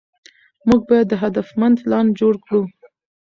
موږ باید هدفمند پلان جوړ کړو.